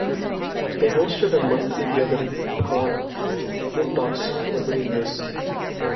They hosted a monthly gathering called "Moontalks" for many years.